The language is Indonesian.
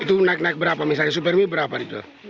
itu naik naik berapa misalnya superme berapa dijual